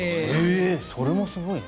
それもすごいな。